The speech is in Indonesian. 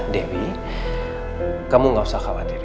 terima kasih i mari